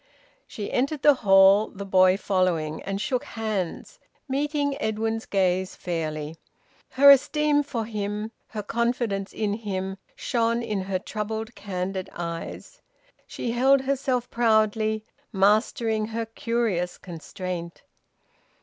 She entered the hall, the boy following, and shook hands, meeting Edwin's gaze fairly. Her esteem for him, her confidence in him, shone in her troubled, candid eyes. She held herself proudly, mastering her curious constraint.